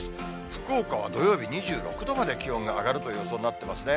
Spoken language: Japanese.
福岡は土曜日、２６度まで気温が上がるという予想になってますね。